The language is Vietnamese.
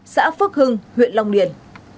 xã phước hưng huyện long liện